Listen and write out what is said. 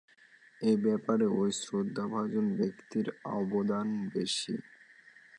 এ ব্যাপারে ঐ শ্রদ্ধাভাজন ব্যক্তির অবদানই বেশি।